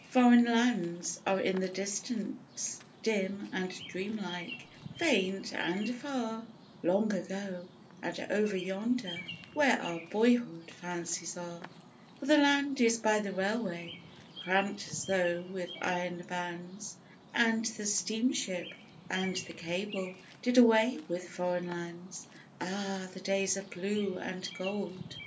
Foreign Lands are in the distance dim and dream like, faint and far, Long ago, and over yonder, where our boyhood fancies are, For the land is by the railway cramped as though with iron bands, And the steamship and the cable did away with Foreign Lands. Ah! the days of blue and gold!